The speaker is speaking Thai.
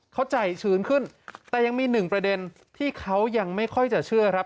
เขาใจชื้นขึ้นแต่ยังมีหนึ่งประเด็นที่เขายังไม่ค่อยจะเชื่อครับ